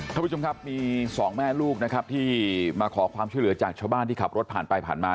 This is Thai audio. ท่านผู้ชมครับมีสองแม่ลูกนะครับที่มาขอความช่วยเหลือจากชาวบ้านที่ขับรถผ่านไปผ่านมา